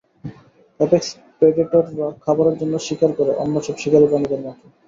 Apex প্রেডেটররা খাবারের জন্য শিকার করে, অন্য সব শিকারী প্রাণীদের মতোই।